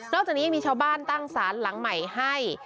จากนี้ยังมีชาวบ้านตั้งสารหลังใหม่ให้